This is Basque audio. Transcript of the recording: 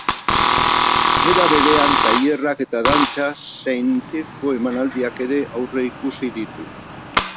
Era berean, tailerrak eta dantza zein zirko emanaldiak ere aurreikusi ditu.